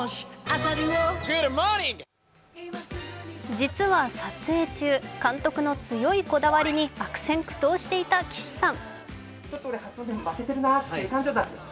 実は撮影中、監督の強いこだわりに悪戦苦闘していた岸さん。